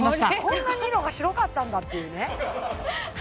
こんなに色が白かったんだっていうね